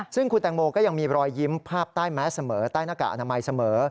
ซึ่งคุณแตงโมก็ยังมีรอยยิ้มภาพใต้แม้เสมอใต้หน้ากากอนามัยเสมอ